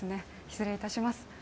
失礼いたします。